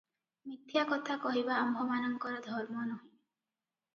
ମିଥ୍ୟା କଥା କହିବା ଆମ୍ଭମାନଙ୍କର ଧର୍ମନୁହେଁ ।